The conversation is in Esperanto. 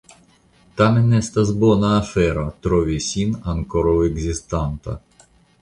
Tamen estas bona afero trovi sin ankoraŭ ekzistanta.